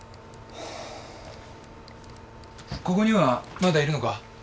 ここにはまだいるのか？